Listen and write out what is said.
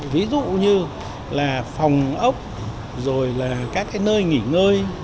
ví dụ như phòng ốc các nơi nghỉ ngơi